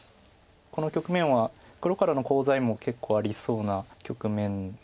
この局面は黒からのコウ材も結構ありそうな局面なのでちょっと。